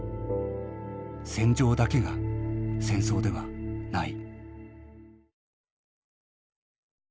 戦場だけが戦争ではない。